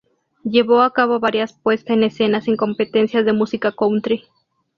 Llevó a cabo varias puesta en escenas en competencias de música "country".